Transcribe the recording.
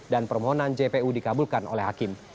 permohonan jpu dikabulkan oleh hakim